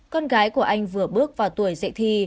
con gái của anh vừa bước vào tuổi dậy thi